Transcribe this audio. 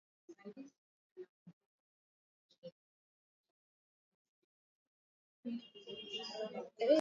Namna ya kukabiliana na ugonjwa wa kiwele kuwa msafi wakati wa kukamua maziwa